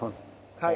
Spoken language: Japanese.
はい。